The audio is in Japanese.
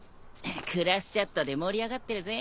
クラスチャットで盛り上がってるぜ。